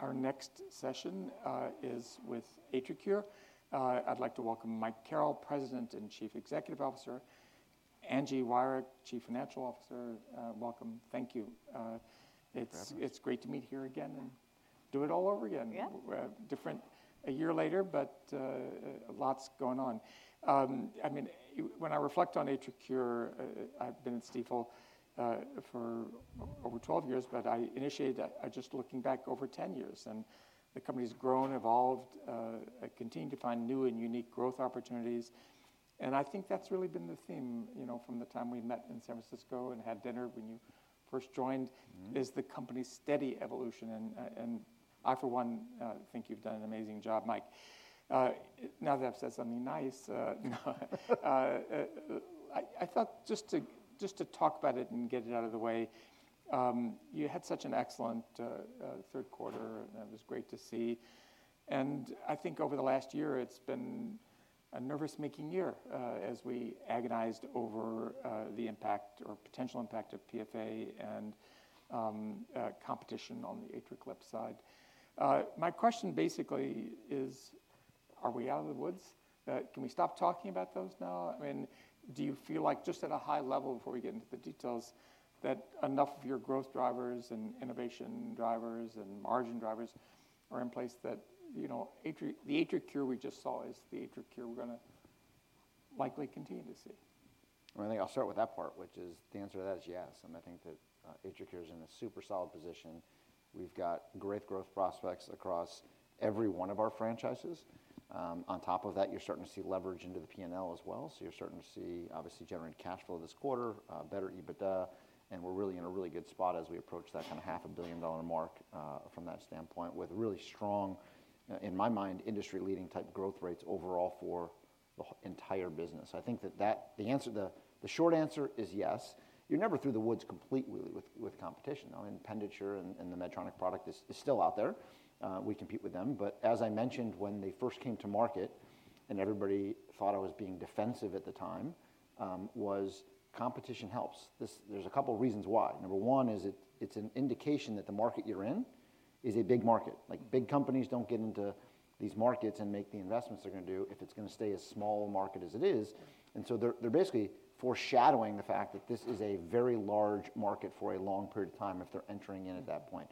Our next session is with AtriCure. I'd like to welcome Mike Carrel, President and Chief Executive Officer, Angie Wirick, Chief Financial Officer. Welcome, thank you. Thank you, sir. It's great to meet here again and do it all over again. Yeah. Different a year later, but lots going on. I mean, when I reflect on AtriCure, I've been at Stifel for over 12 years, but I initiated that just looking back over 10 years, and the company's grown, evolved, continued to find new and unique growth opportunities. And I, for one, think you've done an amazing job, Mike. Now that I've said something nice, I thought just to talk about it and get it out of the way, you had such an excellent third quarter, and it was great to see. And I think over the last year, it's been a nervous-making year as we agonized over the impact or potential impact of PFA and competition on the AtriClip side. My question basically is, are we out of the woods? Can we stop talking about those now? I mean, do you feel like, just at a high level before we get into the details, that enough of your growth drivers and innovation drivers and margin drivers are in place that, you know, the AtriCure we just saw is the AtriCure we're going to likely continue to see? I think I'll start with that part, which is the answer to that is yes. And I think that AtriCure is in a super solid position. We've got great growth prospects across every one of our franchises. On top of that, you're starting to see leverage into the P&L as well. So you're starting to see, obviously, generate cash flow this quarter, better EBITDA, and we're really in a really good spot as we approach that kind of $500 million mark from that standpoint with really strong, in my mind, industry-leading type growth rates overall for the entire business. I think that the short answer is yes. You're never through the woods completely with competition. I mean, Penditure and the Medtronic product is still out there. We compete with them. But as I mentioned, when they first came to market and everybody thought I was being defensive at the time, was competition helps. There's a couple of reasons why. Number one is it's an indication that the market you're in is a big market. Like, big companies don't get into these markets and make the investments they're going to do if it's going to stay a small market as it is. And so they're basically foreshadowing the fact that this is a very large market for a long period of time if they're entering in at that point,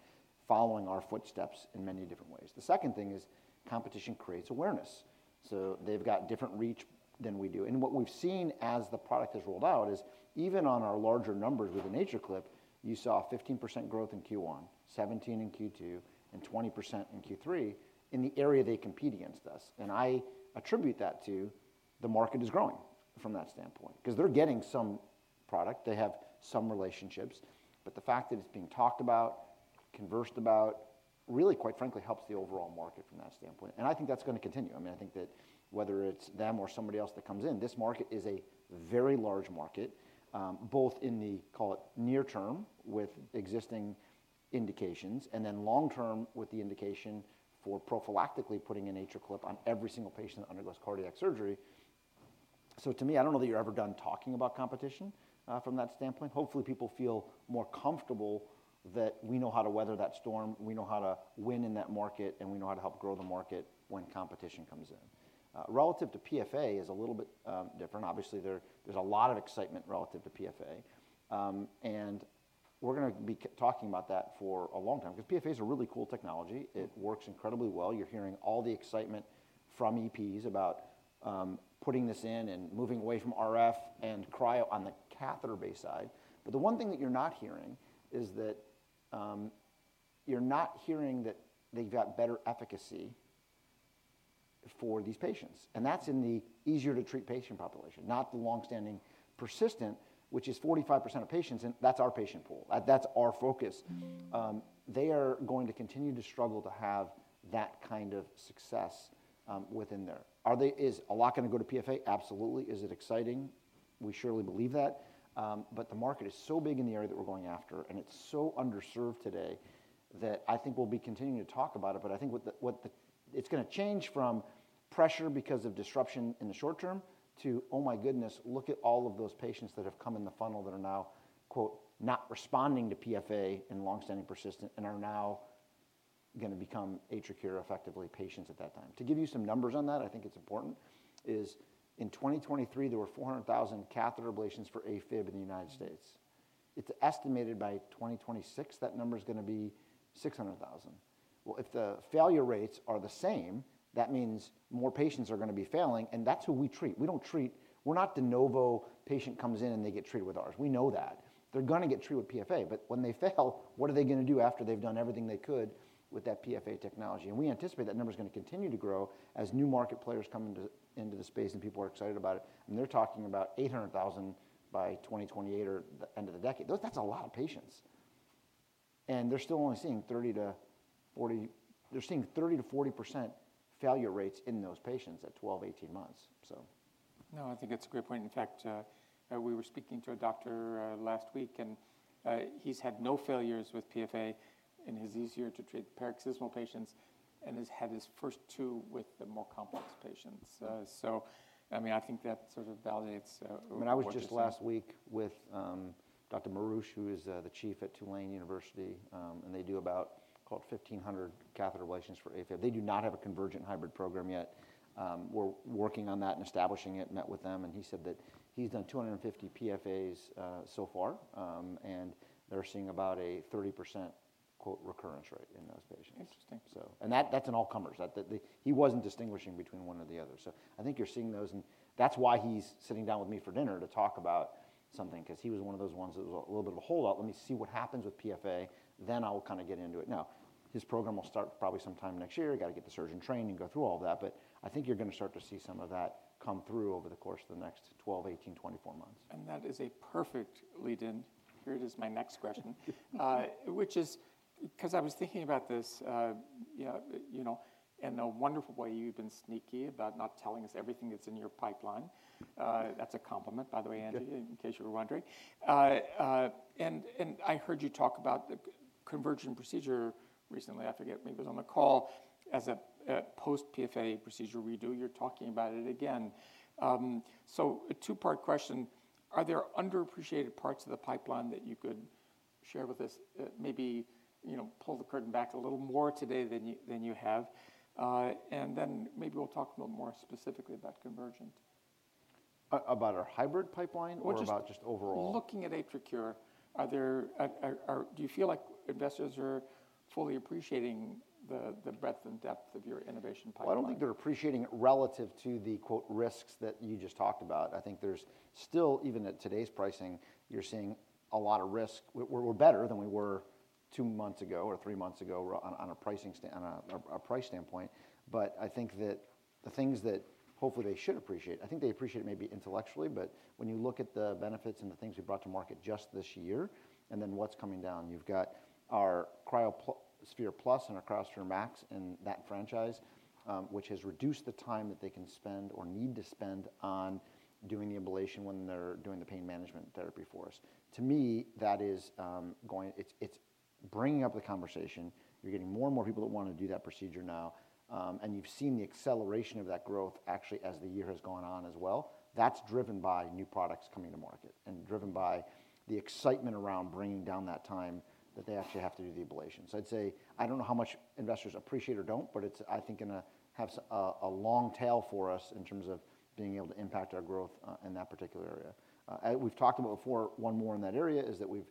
following our footsteps in many different ways. The second thing is competition creates awareness. So they've got different reach than we do. And what we've seen as the product has rolled out is even on our larger numbers within AtriClip, you saw 15% growth in Q1, 17% in Q2, and 20% in Q3 in the area they competed against us. And I attribute that to the market is growing from that standpoint because they're getting some product. They have some relationships. But the fact that it's being talked about, conversed about, really, quite frankly, helps the overall market from that standpoint. And I think that's going to continue. I mean, I think that whether it's them or somebody else that comes in, this market is a very large market, both in the, call it, near term with existing indications and then long term with the indication for prophylactically putting in AtriClip on every single patient that undergoes cardiac surgery. So, to me, I don't know that you're ever done talking about competition from that standpoint. Hopefully, people feel more comfortable that we know how to weather that storm, we know how to win in that market, and we know how to help grow the market when competition comes in. Relative to PFA is a little bit different. Obviously, there's a lot of excitement relative to PFA. And we're going to be talking about that for a long time because PFA is a really cool technology. It works incredibly well. You're hearing all the excitement from EPs about putting this in and moving away from RF and cryo on the catheter-based side. But the one thing that you're not hearing is that you're not hearing that they've got better efficacy for these patients. That's in the easier-to-treat patient population, not the longstanding persistent, which is 45% of patients, and that's our patient pool. That's our focus. They are going to continue to struggle to have that kind of success within there. Are they? Is a lot going to go to PFA? Absolutely. Is it exciting? We surely believe that. But the market is so big in the area that we're going after, and it's so underserved today that I think we'll be continuing to talk about it. But I think what it's going to change from pressure because of disruption in the short term to, oh my goodness, look at all of those patients that have come in the funnel that are now, quote, not responding to PFA and longstanding persistent and are now going to become AtriCure effectively patients at that time. To give you some numbers on that, I think it's important. In 2023, there were 400,000 catheter ablations for AFib in the United States. It's estimated by 2026 that number is going to be 600,000. Well, if the failure rates are the same, that means more patients are going to be failing, and that's who we treat. We don't treat. We're not. De novo patient comes in and they get treated with ours. We know that. They're going to get treated with PFA. But when they fail, what are they going to do after they've done everything they could with that PFA technology? And we anticipate that number is going to continue to grow as new market players come into the space and people are excited about it. And they're talking about 800,000 by 2028 or the end of the decade. That's a lot of patients. They're still only seeing 30%-40% failure rates in those patients at 12-18 months, so. No, I think it's a great point. In fact, we were speaking to a doctor last week, and he's had no failures with PFA in his easier-to-treat paroxysmal patients and has had his first two with the more complex patients. So, I mean, I think that sort of validates what you're saying. I mean, I was just last week with Dr. Marrouche, who is the chief at Tulane University, and they do about, call it, 1,500 catheter ablations for AFib. They do not have a Convergent Hybrid program yet. We're working on that and establishing it, met with them, and he said that he's done 250 PFAs so far, and they're seeing about a 30%, quote, recurrence rate in those patients. Interesting. And that's an all-comers. He wasn't distinguishing between one or the other. So I think you're seeing those, and that's why he's sitting down with me for dinner to talk about something because he was one of those ones that was a little bit of a holdout. Let me see what happens with PFA, then I'll kind of get into it. Now, his program will start probably sometime next year. You got to get the surgeon trained and go through all of that. But I think you're going to start to see some of that come through over the course of the next 12, 18, 24 months. And that is a perfect lead-in. Here is my next question, which is because I was thinking about this, you know, in a wonderful way, you've been sneaky about not telling us everything that's in your pipeline. That's a compliment, by the way, in case you were wondering. And I heard you talk about the Convergent procedure recently. I forget, maybe it was on the call as a post-PFA procedure redo. You're talking about it again. So a two-part question. Are there underappreciated parts of the pipeline that you could share with us? Maybe, you know, pull the curtain back a little more today than you have. And then maybe we'll talk a little more specifically about convergent. About our hybrid pipeline or about just overall? Looking at AtriCure, do you feel like investors are fully appreciating the breadth and depth of your innovation pipeline? I don't think they're appreciating it relative to the, quote, risks that you just talked about. I think there's still, even at today's pricing, you're seeing a lot of risk. We're better than we were two months ago or three months ago on a price standpoint. But I think that the things that hopefully they should appreciate. I think they appreciate it maybe intellectually, but when you look at the benefits and the things we brought to market just this year and then what's coming down, you've got our cryoSPHERE+ and our cryoSPHERE MAX in that franchise, which has reduced the time that they can spend or need to spend on doing the ablation when they're doing the pain management therapy for us. To me, that is going. It's bringing up the conversation. You're getting more and more people that want to do that procedure now. And you've seen the acceleration of that growth actually as the year has gone on as well. That's driven by new products coming to market and driven by the excitement around bringing down that time that they actually have to do the ablation. So I'd say I don't know how much investors appreciate or don't, but it's, I think, going to have a long tail for us in terms of being able to impact our growth in that particular area. We've talked about before, one more in that area is that we've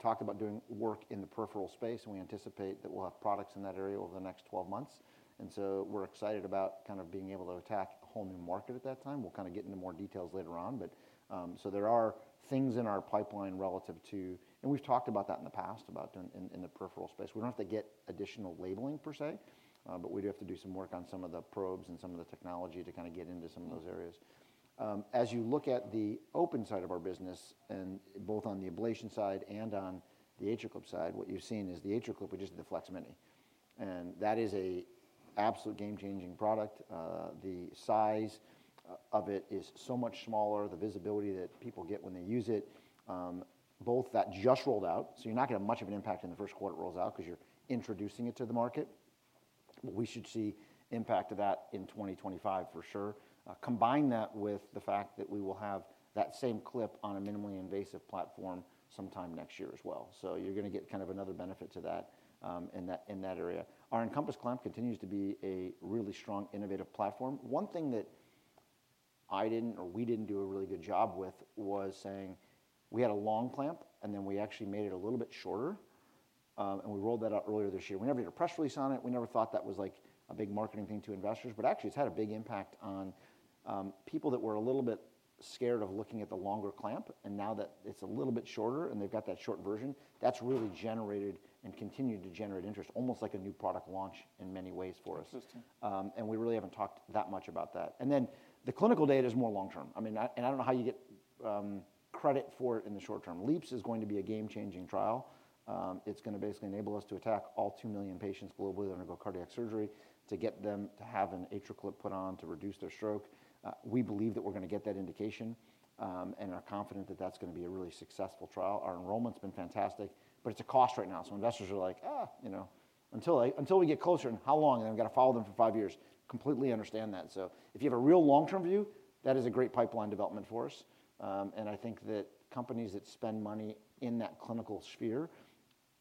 talked about doing work in the peripheral space, and we anticipate that we'll have products in that area over the next 12 months. And so we're excited about kind of being able to attack a whole new market at that time. We'll kind of get into more details later on. But so there are things in our pipeline relative to, and we've talked about that in the past about in the peripheral space. We don't have to get additional labeling per se, but we do have to do some work on some of the probes and some of the technology to kind of get into some of those areas. As you look at the open side of our business, and both on the ablation side and on the AtriClip side, what you've seen is the AtriClip. We just did the FLEX-Mini. And that is an absolute game-changing product. The size of it is so much smaller, the visibility that people get when they use it. But that just rolled out, so you're not going to have much of an impact in the first quarter it rolls out because you're introducing it to the market. We should see impact of that in 2025 for sure. Combine that with the fact that we will have that same clip on a minimally invasive platform sometime next year as well. So you're going to get kind of another benefit to that in that area. Our EnCompass Clamp continues to be a really strong innovative platform. One thing that I didn't or we didn't do a really good job with was saying we had a long clamp, and then we actually made it a little bit shorter, and we rolled that out earlier this year. We never did a press release on it. We never thought that was like a big marketing thing to investors, but actually, it's had a big impact on people that were a little bit scared of looking at the longer clamp. Now that it's a little bit shorter and they've got that short version, that's really generated and continued to generate interest, almost like a new product launch in many ways for us. Interesting. We really haven't talked that much about that. Then the clinical data is more long-term. I mean, and I don't know how you get credit for it in the short term. LeAAPS is going to be a game-changing trial. It's going to basically enable us to attack all 2 million patients globally that undergo cardiac surgery to get them to have an AtriClip put on to reduce their stroke. We believe that we're going to get that indication and are confident that that's going to be a really successful trial. Our enrollment's been fantastic, but it's a cost right now. Investors are like, you know, until we get closer and how long, and then we've got to follow them for five years. Completely understand that. If you have a real long-term view, that is a great pipeline development for us. I think that companies that spend money in that clinical sphere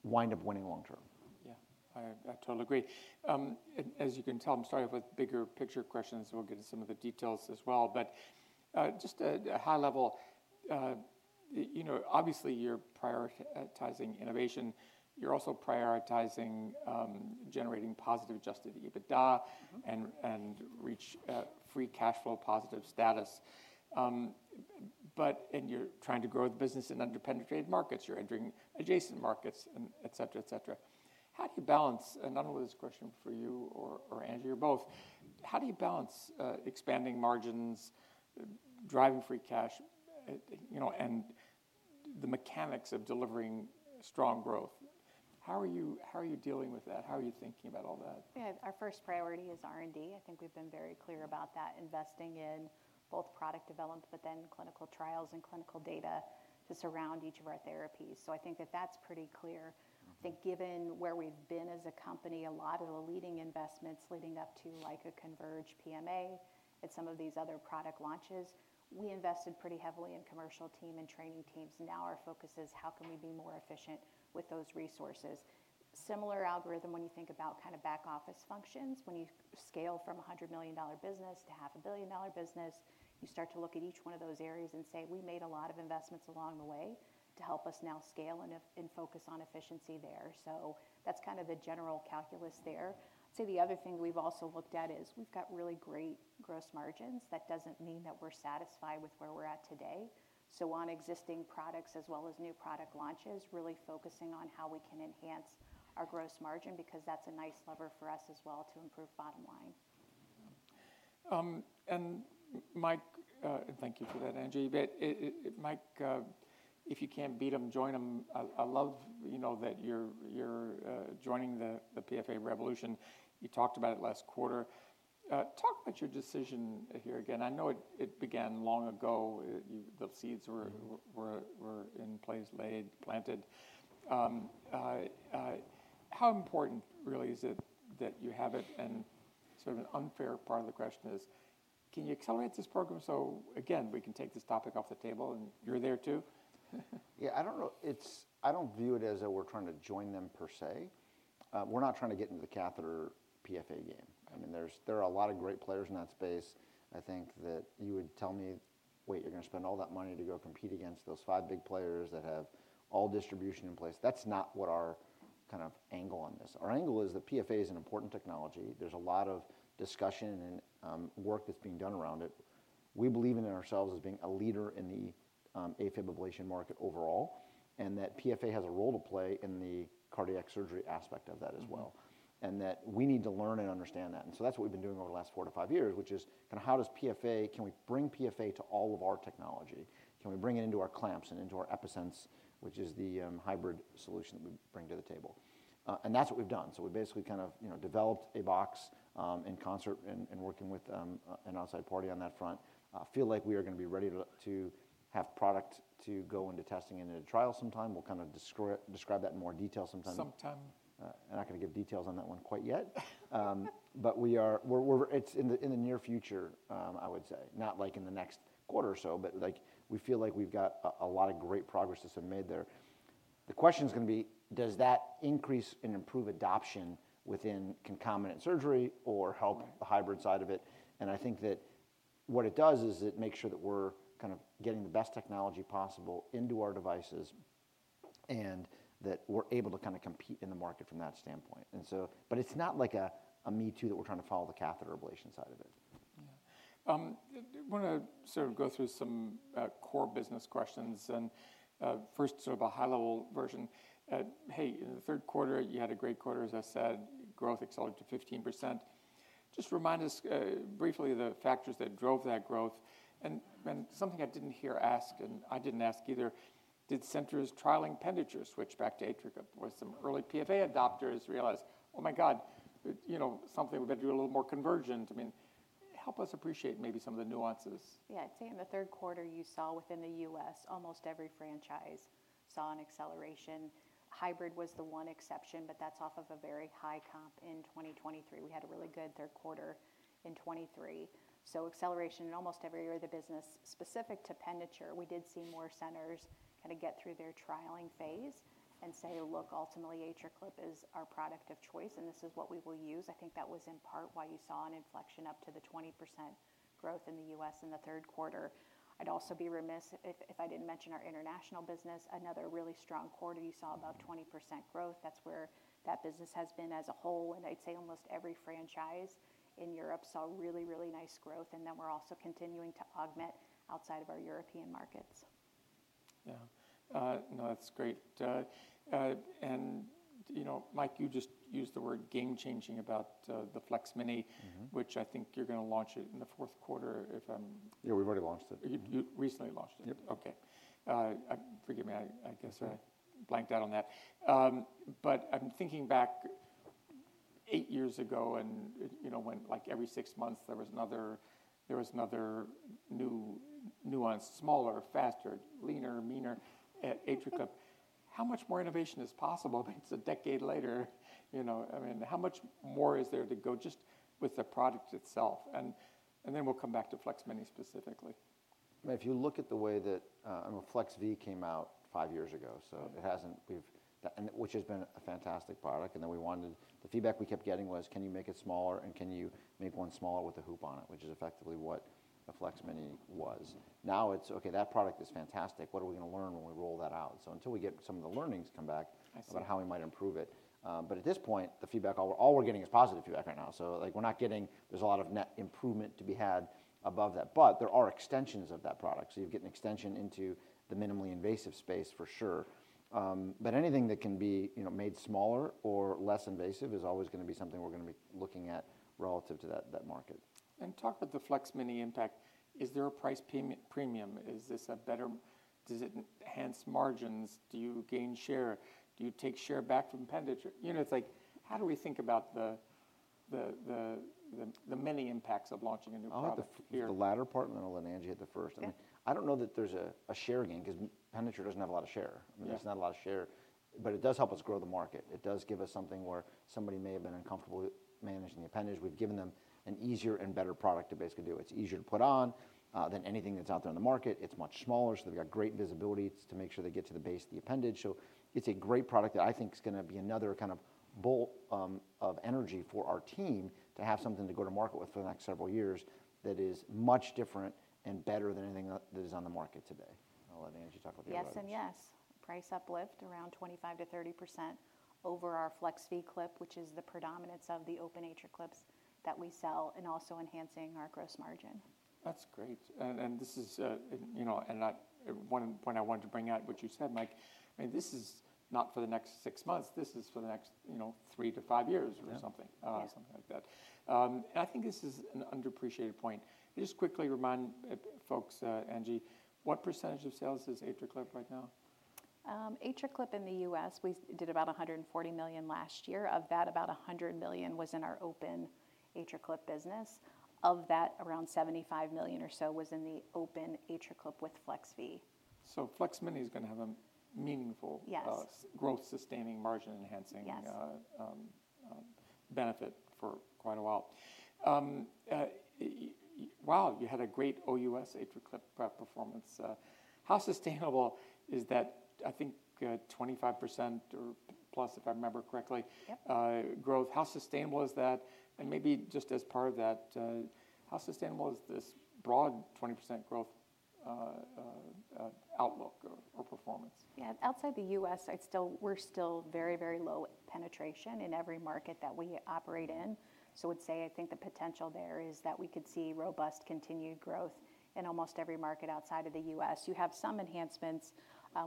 wind up winning long-term. Yeah, I totally agree. As you can tell, I'm starting with bigger picture questions. We'll get into some of the details as well. But just at a high level, you know, obviously you're prioritizing innovation. You're also prioritizing generating positive adjusted EBITDA and reach free cash flow positive status. But you're trying to grow the business in underpenetrated markets. You're entering adjacent markets, et cetera, et cetera. How do you balance, and I don't know whether it's a question for you or Angie or both, how do you balance expanding margins, driving free cash, you know, and the mechanics of delivering strong growth? How are you dealing with that? How are you thinking about all that? Yeah, our first priority is R&D. I think we've been very clear about that, investing in both product development, but then clinical trials and clinical data to surround each of our therapies. So I think that that's pretty clear. I think given where we've been as a company, a lot of the leading investments leading up to like a CONVERGE PMA and some of these other product launches, we invested pretty heavily in commercial team and training teams. Now our focus is how can we be more efficient with those resources? Similar algorithm when you think about kind of back office functions. When you scale from a $100 million business to $500 million business, you start to look at each one of those areas and say, we made a lot of investments along the way to help us now scale and focus on efficiency there. So that's kind of the general calculus there. I'd say the other thing we've also looked at is we've got really great gross margins. That doesn't mean that we're satisfied with where we're at today. So on existing products as well as new product launches, really focusing on how we can enhance our gross margin because that's a nice lever for us as well to improve bottom line. And Mike, thank you for that, Angie. But Mike, if you can't beat them, join them. I love, you know, that you're joining the PFA revolution. You talked about it last quarter. Talk about your decision here again. I know it began long ago. The seeds were in place, laid, planted. How important really is it that you have it? And sort of an unfair part of the question is, can you accelerate this program so again, we can take this topic off the table and you're there too? Yeah, I don't know. I don't view it as that we're trying to join them per se. We're not trying to get into the catheter PFA game. I mean, there are a lot of great players in that space. I think that you would tell me, wait, you're going to spend all that money to go compete against those five big players that have all distribution in place. That's not what our kind of angle on this. Our angle is that PFA is an important technology. There's a lot of discussion and work that's being done around it. We believe in ourselves as being a leader in the AFib ablation market overall, and that PFA has a role to play in the cardiac surgery aspect of that as well, and that we need to learn and understand that. And so that's what we've been doing over the last four to five years, which is kind of how does PFA, can we bring PFA to all of our technology? Can we bring it into our clamps and into our EPi-Sense, which is the hybrid solution that we bring to the table? And that's what we've done. So we basically kind of, you know, developed a box in concert and working with an outside party on that front. I feel like we are going to be ready to have product to go into testing and into trial sometime. We'll kind of describe that in more detail sometime. Sometime. I'm not going to give details on that one quite yet, but we are; it's in the near future, I would say. Not like in the next quarter or so, but like we feel like we've got a lot of great progress that's been made there. The question is going to be, does that increase and improve adoption within concomitant surgery or help the hybrid side of it? And I think that what it does is it makes sure that we're kind of getting the best technology possible into our devices and that we're able to kind of compete in the market from that standpoint. And so, but it's not like a me too that we're trying to follow the catheter ablation side of it. Yeah. I want to sort of go through some core business questions. And first, sort of a high-level version. Hey, in the third quarter, you had a great quarter, as I said. Growth accelerated to 15%. Just remind us briefly of the factors that drove that growth. And something I didn't hear asked, and I didn't ask either, did centers trialing Penditure switch back to AtriClip? Were some early PFA adopters realize, oh my God, you know, something we better do a little more convergent? I mean, help us appreciate maybe some of the nuances. Yeah, I'd say in the third quarter, you saw within the U.S., almost every franchise saw an acceleration. Hybrid was the one exception, but that's off of a very high comp in 2023. We had a really good third quarter in 2023. So acceleration in almost every area of the business specific to Penditure. We did see more centers kind of get through their trialing phase and say, look, ultimately AtriClip is our product of choice and this is what we will use. I think that was in part why you saw an inflection up to the 20% growth in the U.S. in the third quarter. I'd also be remiss if I didn't mention our international business. Another really strong quarter, you saw above 20% growth. That's where that business has been as a whole. And I'd say almost every franchise in Europe saw really, really nice growth. And then we're also continuing to augment outside of our European markets. Yeah. No, that's great. And you know, Mike, you just used the word game-changing about the FLEX-Mini, which I think you're going to launch it in the fourth quarter, if I'm. Yeah, we've already launched it. You recently launched it. Yep. Okay. Forgive me, I guess I blanked out on that. But I'm thinking back eight years ago and, you know, when like every six months there was another new nuanced, smaller, faster, leaner, meaner AtriClip. How much more innovation is possible? I mean, it's a decade later, you know. I mean, how much more is there to go just with the product itself? And then we'll come back to FLEX-Mini specifically. I mean, if you look at the way that, I mean, FLEX•V came out five years ago, so it hasn't, which has been a fantastic product. And then we wanted, the feedback we kept getting was, can you make it smaller and can you make one smaller with a hoop on it, which is effectively what the FLEX-Mini was. Now it's, okay, that product is fantastic. What are we going to learn when we roll that out? So until we get some of the learnings come back about how we might improve it. But at this point, the feedback all we're getting is positive feedback right now. So like we're not getting, there's a lot of net improvement to be had above that. But there are extensions of that product. So you've got an extension into the minimally invasive space for sure. But anything that can be, you know, made smaller or less invasive is always going to be something we're going to be looking at relative to that market. Talk about theFLEX-Mini impact. Is there a price premium? Is this a better, does it enhance margins? Do you gain share? Do you take share back from Penditure? You know, it's like, how do we think about the many impacts of launching a new product? Oh, the latter part that I'll let Angie hit the first. I mean, I don't know that there's a share again because Penditure doesn't have a lot of share. I mean, there's not a lot of share, but it does help us grow the market. It does give us something where somebody may have been uncomfortable managing the appendage. We've given them an easier and better product to basically do. It's easier to put on than anything that's out there in the market. It's much smaller. So they've got great visibility to make sure they get to the base of the appendage. So it's a great product that I think is going to be another kind of bolt of energy for our team to have something to go to market with for the next several years that is much different and better than anything that is on the market today. I'll let Angie talk about the other one. Yes and yes. Price uplift around 25%-30% over our FLEX•V clip, which is the predominance of the open AtriClips that we sell and also enhancing our gross margin. That's great. And this is, you know, and one point I wanted to bring out what you said, Mike. I mean, this is not for the next six months. This is for the next, you know, three to five years or something, something like that. And I think this is an underappreciated point. Just quickly remind folks, Angie, what percentage of sales is AtriClip right now? AtriClip in the US, we did about $140 million last year. Of that, about $100 million was in our open AtriClip business. Of that, around $75 million or so was in the open AtriClip with FLEX.V. So FLEX-Mini is going to have a meaningful growth, sustaining margin enhancing benefit for quite a while. Wow, you had a great OUS AtriClip performance. How sustainable is that? I think 25% or plus, if I remember correctly, growth. How sustainable is that? And maybe just as part of that, how sustainable is this broad 20% growth outlook or performance? Yeah, outside the U.S., we're still very, very low penetration in every market that we operate in. So I would say I think the potential there is that we could see robust continued growth in almost every market outside of the U.S. You have some enhancements.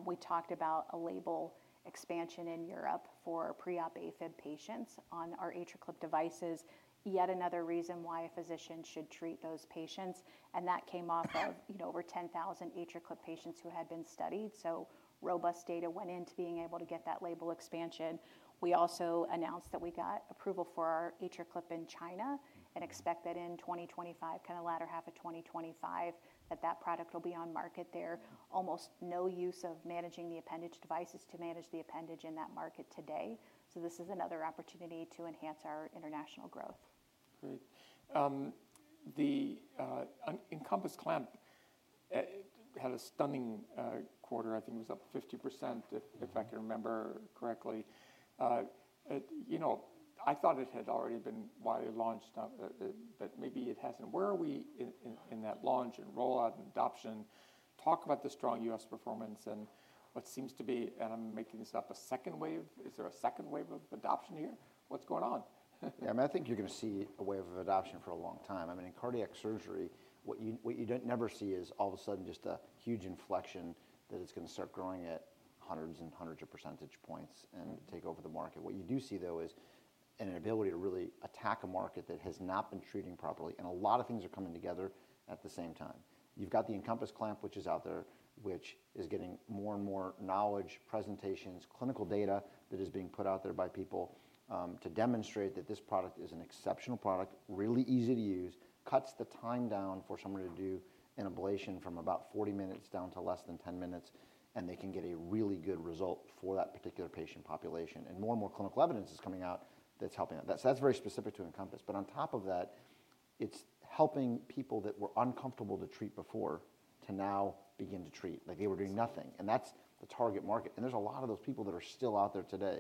We talked about a label expansion in Europe for pre-op AFib patients on our AtriClip devices. Yet another reason why a physician should treat those patients. And that came off of, you know, over 10,000 AtriClip patients who had been studied. So robust data went into being able to get that label expansion. We also announced that we got approval for our AtriClip in China and expect that in 2025, kind of latter half of 2025, that that product will be on market there. Almost no use of managing the appendage devices to manage the appendage in that market today. So this is another opportunity to enhance our international growth. Great. The EnCompass Clamp had a stunning quarter. I think it was up 50%, if I can remember correctly. You know, I thought it had already been widely launched, but maybe it hasn't. Where are we in that launch and rollout and adoption? Talk about the strong U.S. performance and what seems to be, and I'm making this up, a second wave? Is there a second wave of adoption here? What's going on? Yeah, I mean, I think you're going to see a wave of adoption for a long time. I mean, in cardiac surgery, what you never see is all of a sudden just a huge inflection that it's going to start growing at hundreds and hundreds of percentage points and take over the market. What you do see though is an ability to really attack a market that has not been treating properly, and a lot of things are coming together at the same time. You've got the EnCompass Clamp, which is out there, which is getting more and more knowledge, presentations, clinical data that is being put out there by people to demonstrate that this product is an exceptional product, really easy to use, cuts the time down for someone to do an ablation from about 40 minutes down to less than 10 minutes, and they can get a really good result for that particular patient population. And more and more clinical evidence is coming out that's helping that. So that's very specific to Encompass. But on top of that, it's helping people that were uncomfortable to treat before to now begin to treat. Like they were doing nothing. And that's the target market. And there's a lot of those people that are still out there today.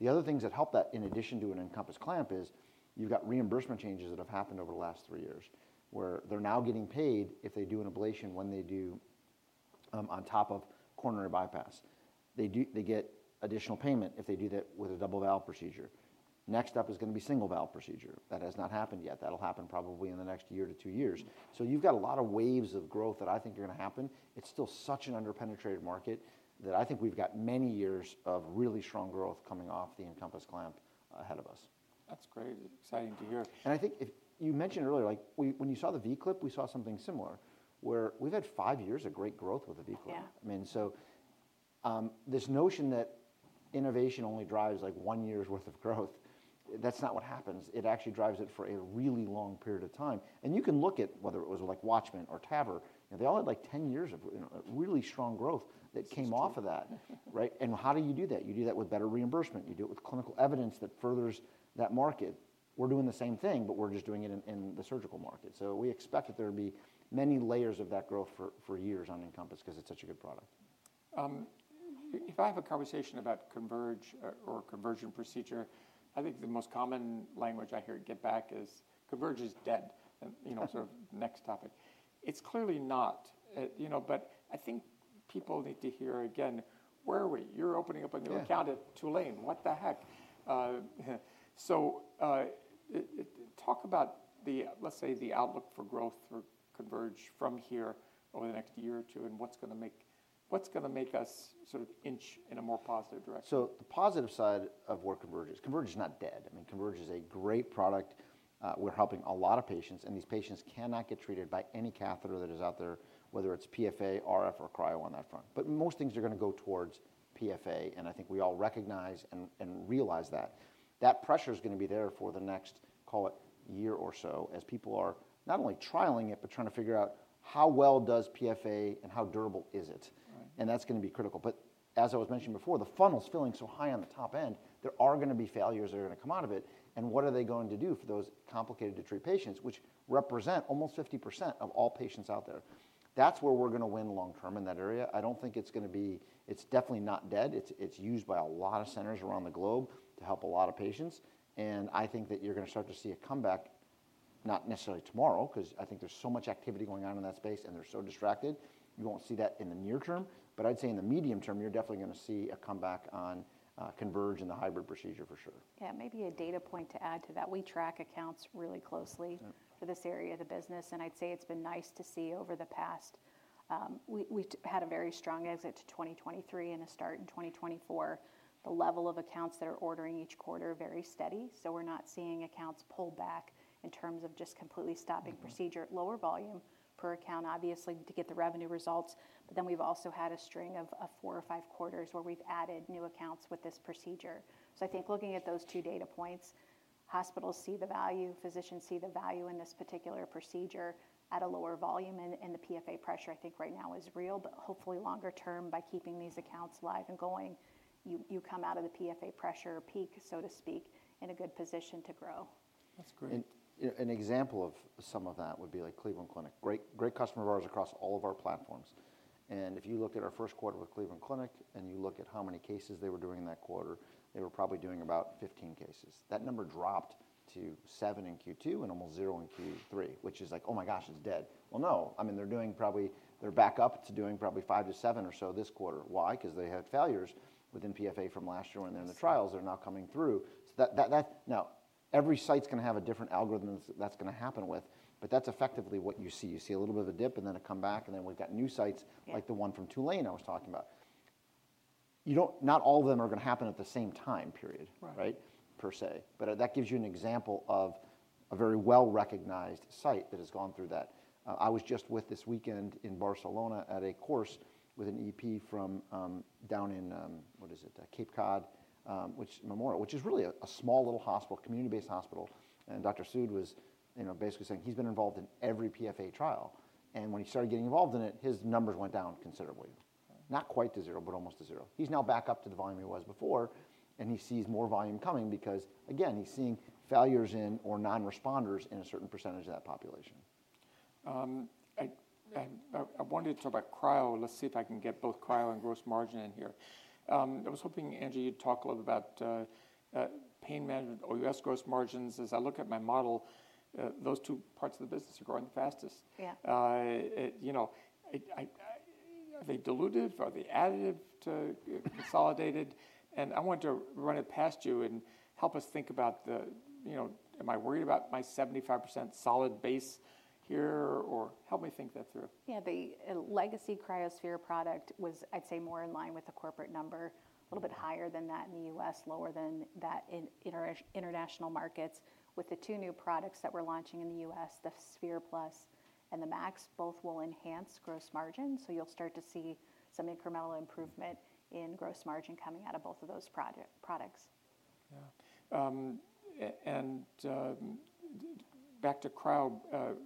The other things that help that, in addition to an EnCompass Clamp, is you've got reimbursement changes that have happened over the last three years where they're now getting paid if they do an ablation when they do on top of coronary bypass. They get additional payment if they do that with a double valve procedure. Next up is going to be single valve procedure. That has not happened yet. That'll happen probably in the next year to two years. So you've got a lot of waves of growth that I think are going to happen. It's still such an underpenetrated market that I think we've got many years of really strong growth coming off the EnCompass Clamp ahead of us. That's great. Exciting to hear. I think you mentioned earlier, like when you saw the FLEX•V clip, we saw something similar where we've had five years of great growth with the FLEX•V clip. I mean, so this notion that innovation only drives like one year's worth of growth, that's not what happens. It actually drives it for a really long period of time. You can look at whether it was like Watchman or TAVR, you know, they all had like 10 years of really strong growth that came off of that, right? How do you do that? You do that with better reimbursement. You do it with clinical evidence that furthers that market. We're doing the same thing, but we're just doing it in the surgical market. So we expect that there will be many layers of that growth for years on Encompass because it's such a good product. If I have a conversation about CONVERGE or Convergent procedure, I think the most common language I hear back is CONVERGE is dead. You know, sort of next topic. It's clearly not, you know, but I think people need to hear again, where are we? You're opening up a new account at Tulane. What the heck? So talk about the, let's say the outlook for growth for CONVERGE from here over the next year or two and what's going to make, what's going to make us sort of inch in a more positive direction. The positive side of where CONVERGE is, CONVERGE is not dead. I mean, CONVERGE is a great product. We're helping a lot of patients and these patients cannot get treated by any catheter that is out there, whether it's PFA, RF, or cryo on that front. But most things are going to go towards PFA. And I think we all recognize and realize that. That pressure is going to be there for the next, call it year or so as people are not only trialing it, but trying to figure out how well does PFA and how durable is it. And that's going to be critical. But as I was mentioning before, the funnel's filling so high on the top end, there are going to be failures that are going to come out of it. What are they going to do for those complicated to treat patients, which represent almost 50% of all patients out there? That's where we're going to win long term in that area. I don't think it's going to be. It's definitely not dead. It's used by a lot of centers around the globe to help a lot of patients. I think that you're going to start to see a comeback, not necessarily tomorrow, because I think there's so much activity going on in that space and they're so distracted. You won't see that in the near term, but I'd say in the medium term, you're definitely going to see a comeback on CONVERGE and the hybrid procedure for sure. Yeah, maybe a data point to add to that. We track accounts really closely for this area of the business. And I'd say it's been nice to see over the past. We had a very strong exit to 2023 and a start in 2024. The level of accounts that are ordering each quarter is very steady. So we're not seeing accounts pull back in terms of just completely stopping procedure at lower volume per account, obviously to get the revenue results. But then we've also had a string of four or five quarters where we've added new accounts with this procedure. So I think looking at those two data points, hospitals see the value, physicians see the value in this particular procedure at a lower volume. The PFA pressure I think right now is real, but hopefully longer term by keeping these accounts live and going, you come out of the PFA pressure peak, so to speak, in a good position to grow. That's great. An example of some of that would be like Cleveland Clinic. Great customer of ours across all of our platforms. If you look at our first quarter with Cleveland Clinic and you look at how many cases they were doing that quarter, they were probably doing about 15 cases. That number dropped to seven in Q2 and almost zero in Q3, which is like, oh my gosh, it's dead. No. I mean, they're doing probably, they're back up to doing probably five to seven or so this quarter. Why? Because they had failures within PFA from last year when they're in the trials, they're now coming through. So that now every site's going to have a different algorithm that's going to happen with, but that's effectively what you see. You see a little bit of a dip and then a comeback and then we've got new sites like the one from Tulane I was talking about. Not all of them are going to happen at the same time period, right? Per se. But that gives you an example of a very well recognized site that has gone through that. I was just with this weekend in Barcelona at a course with an EP from down in, what is it, Cape Cod, Charlton Memorial, which is really a small little hospital, community-based hospital. And Dr. Sood was, you know, basically saying he's been involved in every PFA trial. And when he started getting involved in it, his numbers went down considerably. Not quite to zero, but almost to zero. He's now back up to the volume he was before. He sees more volume coming because again, he's seeing failures in or non-responders in a certain percentage of that population. I wanted to talk about cryo. Let's see if I can get both cryo and gross margin in here. I was hoping, Angie, you'd talk a little about pain management, OUS gross margins. As I look at my model, those two parts of the business are growing the fastest. You know, are they diluted? Are they additive to consolidated? And I want to run it past you and help us think about the, you know, am I worried about my 75% solid base here or help me think that through. Yeah, the legacy CryoSphere product was, I'd say more in line with the corporate number, a little bit higher than that in the US, lower than that in international markets. With the two new products that we're launching in the US, the cryoSPHERE+ and the cryoSPHERE MAX, both will enhance gross margin. So you'll start to see some incremental improvement in gross margin coming out of both of those products. Yeah. And back to cryo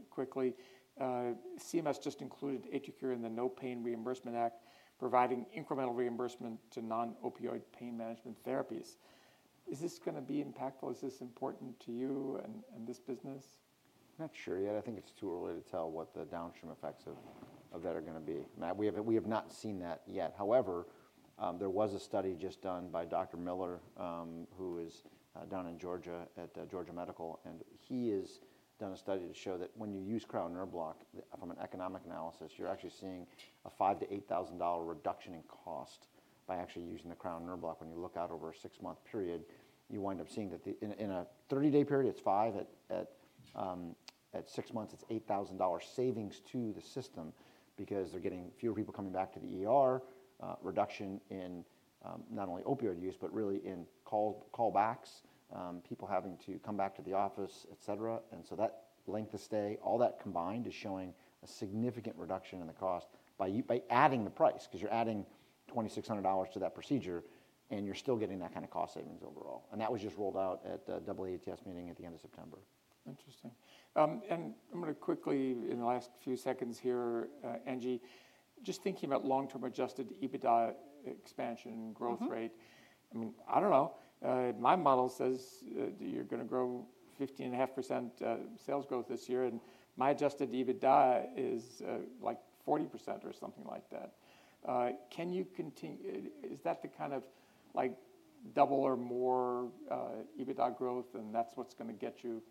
quickly, CMS just included AtriCure in the NOPAIN reimbursement Act, providing incremental reimbursement to non-opioid pain management therapies. Is this going to be impactful? Is this important to you and this business? Not sure yet. I think it's too early to tell what the downstream effects of that are going to be. We have not seen that yet. However, there was a study just done by Dr. Miller, who is down in Georgia at Georgia Medical. And he has done a study to show that when you use cryo nerve block, from an economic analysis, you're actually seeing a $5,000-$8,000 reduction in cost by actually using the cryo nerve block. When you look out over a six-month period, you wind up seeing that in a 30-day period, it's $5,000. At six months, it's $8,000 savings to the system because they're getting fewer people coming back to the reduction in not only opioid use, but really in callbacks, people having to come back to the office, et cetera. So that length of stay, all that combined is showing a significant reduction in the cost by adding the price because you're adding $2,600 to that procedure and you're still getting that kind of cost savings overall. That was just rolled out at the AATS meeting at the end of September. Interesting, and I'm going to quickly, in the last few seconds here, Angie, just thinking about long-term adjusted EBITDA expansion growth rate. I mean, I don't know. My model says you're going to grow 15.5% sales growth this year. And my adjusted EBITDA is like 40% or something like that. Can you continue, is that the kind of like double or more EBITDA growth and that's what's going to get you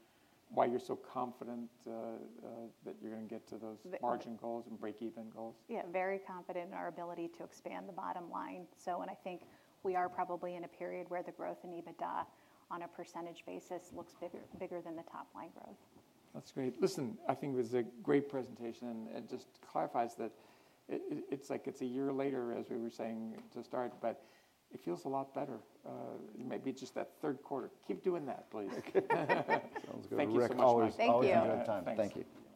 why you're so confident that you're going to get to those margin goals and break-even goals? Yeah, very confident in our ability to expand the bottom line. So, and I think we are probably in a period where the growth in EBITDA on a percentage basis looks bigger than the top line growth. That's great. Listen, I think it was a great presentation. It just clarifies that it's like it's a year later as we were saying to start, but it feels a lot better. Maybe just that third quarter. Keep doing that, please. Sounds good. Thank you so much. Thank you. Thank you.